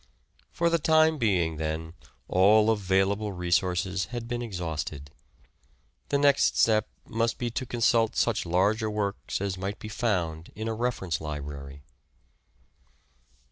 For the time being then all available resources had been exhausted. The next step must be to consult such larger works as might be found in a reference library.